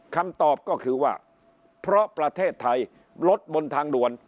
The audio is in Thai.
คำตอบก็คือว่าเพราะประเทศไทยรถบนทางด่วน